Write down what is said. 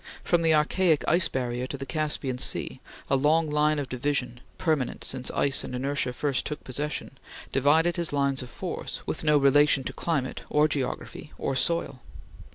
From the archaic ice barrier to the Caspian Sea, a long line of division, permanent since ice and inertia first took possession, divided his lines of force, with no relation to climate or geography or soil.